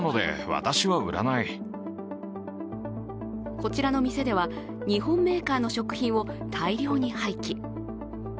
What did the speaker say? こちらの店では日本メーカーの食品を大量に廃棄。